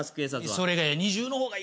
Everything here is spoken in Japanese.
それがや。